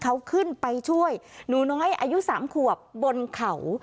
เขาขึ้นไปช่วยหนูน้อยอายุ๓ขวบบนเขา